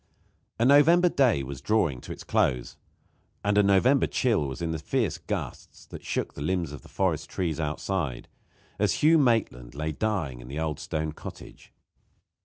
A November day was drawing to its close, and a November chill was in the fierce gusts that shook the limbs of the forest trees outside, as Hugh Maitland lay dying in the old stone cottage.